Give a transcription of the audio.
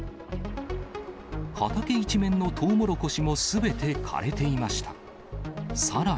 畑一面のとうもろこしもすべて枯れていました。